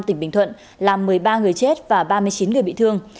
tỉnh bình thuận làm một mươi ba người chết và ba mươi chín người bị thương